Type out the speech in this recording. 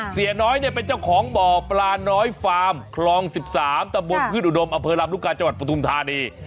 เสียน้อยเนี่ยเป็นเจ้าของบ่อปลาน้อยฟาร์มคลอง๑๓ตะบนพืชอุดมอำเภอลำลูกกาจังหวัดปฐุมธานี